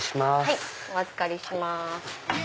はいお預かりします。